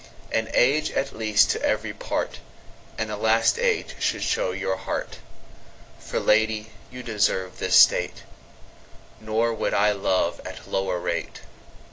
An Age at least to every part, And the last Age should show your Heart.For Lady you deserve this State; Nor would I love at lower rate.